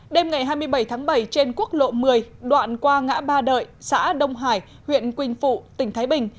đêm ngày hai mươi bảy tháng bảy trên quốc lộ một mươi đoạn qua ngã ba đợi xã đông hải huyện quỳnh phụ tỉnh thái bình